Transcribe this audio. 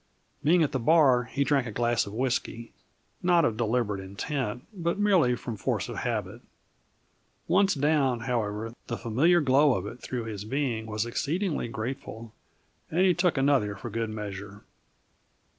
Being at the bar, he drank a glass of whisky; not of deliberate intent, but merely from force of habit. Once down, however, the familiar glow of it through his being was exceedingly grateful, and he took another for good measure.